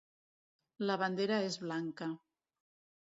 La bandera és blanca.